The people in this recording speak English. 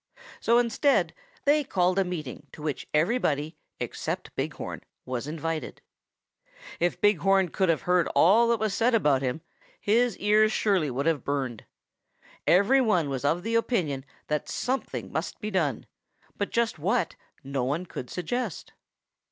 So instead they called a meeting to which everybody except Big Horn was invited. If Big Horn could have heard all that was said about him, his ears surely would have burned. Every one was of the opinion that something must be done, but just what no one could suggest.